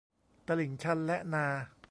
ตลิ่งชัน และนา